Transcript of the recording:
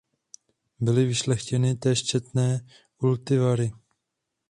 Byly vyšlechtěny též četné kultivary.